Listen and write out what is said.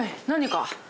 何か？